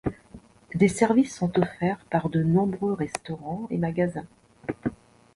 Des services sont offerts par de nombreux restaurants et magasins.